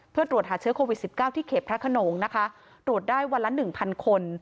เพื่อตรวจหาเชื้อโควิดสิบเก้าที่เขตพระขนงนะคะตรวจได้วันละหนึ่งพันคน